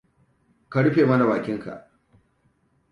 Ka rufe mana bakinka.